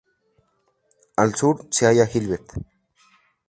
Al sur se halla Gilbert.